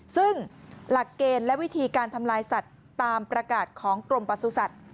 ซึ่งหลักเกณฑ์และวิธีการทำลายสัตว์ตามประกาศของกรมประสุทธิ์